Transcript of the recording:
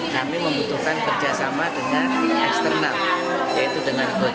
kami membutuhkan kerjasama dengan eksternal